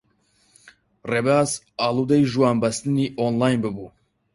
ڕێباز ئاڵوودەی ژوانبەستنی ئۆنلاین بووبوو.